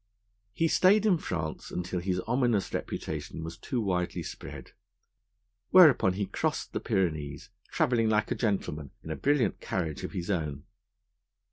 He stayed in France until his ominous reputation was too widely spread; whereupon he crossed the Pyrenees, travelling like a gentleman, in a brilliant carriage of his own.